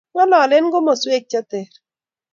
ng'ololen koteswek che ter.